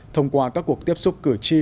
thông qua các cuộc tiếp xúc cử tri